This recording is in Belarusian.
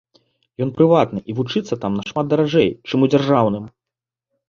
Ён прыватны, і вучыцца там нашмат даражэй, чым у дзяржаўным.